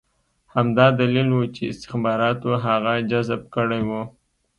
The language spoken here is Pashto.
همدا دلیل و چې استخباراتو هغه جذب کړی و